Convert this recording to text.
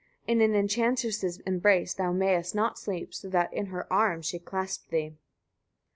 In an enchantress's embrace thou mayest not sleep, so that in her arms she clasp thee.